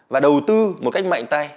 và đầu tư một cách mạnh tay